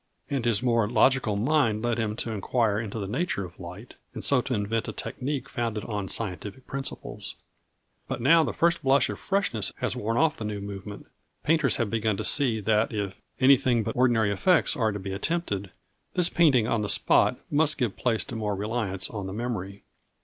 And his more logical mind led him to inquire into the nature of light, and so to invent a technique founded on scientific principles. But now the first blush of freshness has worn off the new movement, painters have begun to see that if anything but very ordinary effects are to be attempted, this painting on the spot must give place to more reliance on the memory.